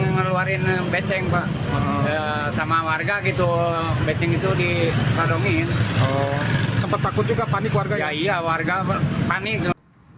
video amatir memperlihatkan saat pengemudi mobil terlibat cekcok sambil mengacungkan pistol